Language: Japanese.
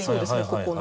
ここの。